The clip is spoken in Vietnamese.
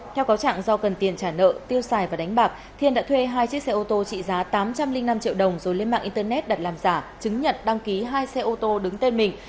theo cáo trạng do cần tiền trả nợ tiêu xài và đánh bạc thiên đã thuê hai chiếc xe ô tô trị giá tám trăm linh năm triệu đồng rồi lên mạng internet đặt làm giả chứng nhận đăng ký hai xe ô tô đứng tên mình